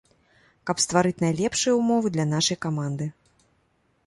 Каб стварыць найлепшыя умовы для нашай каманды.